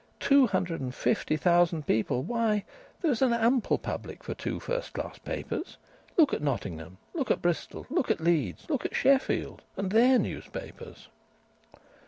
Two hundred and fifty thousand people why! there is an ample public for two first class papers. Look at Nottingham! Look at Bristol! Look at Leeds! Look at Sheffield!... and their newspapers."